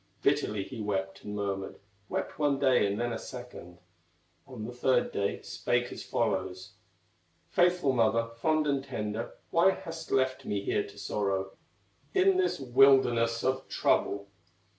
Bitterly he wept and murmured, Wept one day, and then a second, On the third day spake as follows: "Faithful mother, fond and tender, Why hast left me here to sorrow In this wilderness of trouble?